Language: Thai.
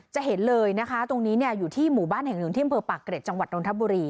จะเห็นเลยนะคะตรงนี้อยู่ที่หมู่บ้านแห่งหนึ่งที่อำเภอปากเกร็จจังหวัดนทบุรี